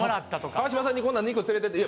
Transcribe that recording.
川島さんにこんな肉連れてっていや